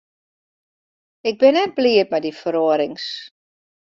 Ik bin net bliid mei dy feroarings.